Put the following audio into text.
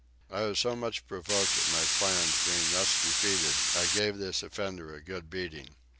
I was so much provoked at my plans being thus defeated that I gave this offender a good beating.